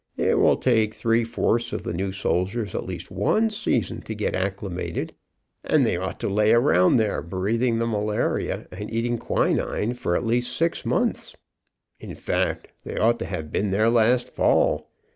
It will take three fourths of the new soldiers at least one season to get acclimated, and they ought to lay around there breathing the malaria and eating quinine for at least six months. In fact, they ought to have been there last fall.